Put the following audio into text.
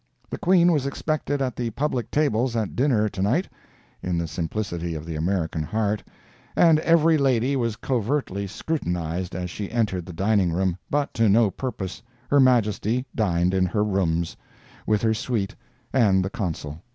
The Queen was expected at the public tables at dinner tonight, (in the simplicity of the American heart,) and every lady was covertly scrutinized as she entered the dining room—but to no purpose—Her Majesty dined in her rooms, with her suite and the Consul.